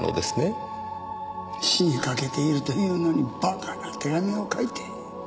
死にかけているというのに馬鹿な手紙を書いて。